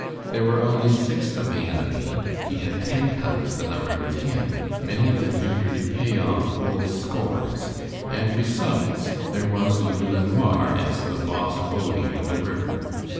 There were only six of the enemy, he had ten times the number with him, many of them eager to pay off old scores; and besides there was Louis LeNoir as the "Boss Bully" of the river.